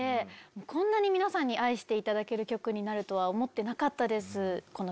こんな皆さんに愛していただける曲になるとは思ってなかったです。